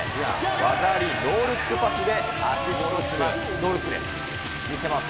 技ありノールックパスでアシストします。